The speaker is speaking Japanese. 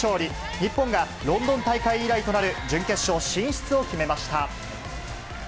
日本がロンドン大会以来となる準決勝進出を決めました。